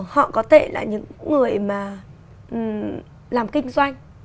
họ có thể là những người mà làm kinh doanh